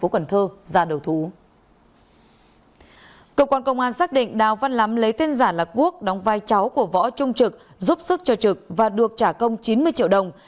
cơ quan công an xác định đào văn lắm lấy tên giả là quốc đóng vai cháu của võ trung trực giúp sức cho trực và được trả công chín mươi triệu đồng